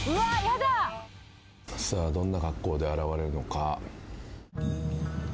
さあどんな格好で現れるのか？